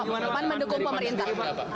pak jokowi mendukung pemerintah